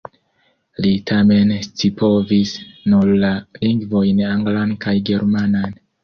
Li tamen scipovis nur la lingvojn anglan kaj germanan.